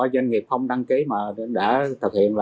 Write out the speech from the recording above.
doanh nghiệp không đăng ký mà đã thực hiện